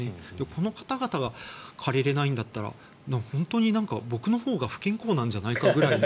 この方々が借りられないんだったら本当に僕のほうが不健康なんじゃないかぐらいの。